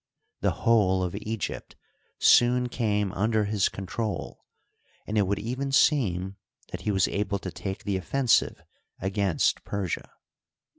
The whole of Egypt soon came under his control, and it would even seem that he was able to take the offensive against Persia.